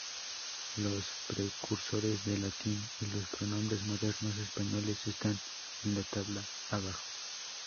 Los precursores del latín y los pronombres modernos españoles están en la tabla abajo.